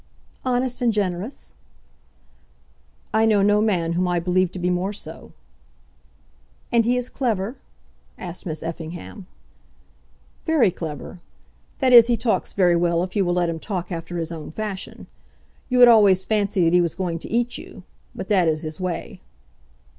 "Honest and generous!" "I know no man whom I believe to be more so." "And he is clever?" asked Miss Effingham. "Very clever. That is, he talks very well if you will let him talk after his own fashion. You would always fancy that he was going to eat you; but that is his way."